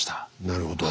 なるほど。